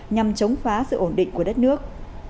nhằm chống phá sự ổn định của đất nước